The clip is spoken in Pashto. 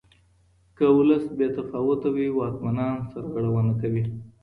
که ولس بې تفاوته وي واکمنان سرغړونه کوي.